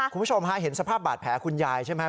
คุณผู้ชมฮะเห็นสภาพบาดแผลคุณยายใช่ไหม